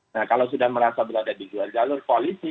nah kalau sudah merasa berada di luar jalur koalisi